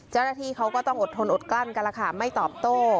เจ้าหน้าที่เขาก็ต้องอดทนอดกลั้นกันแล้วค่ะไม่ตอบโต้